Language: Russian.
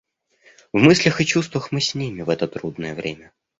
В мыслях и чувствах мы с ними в это трудное время.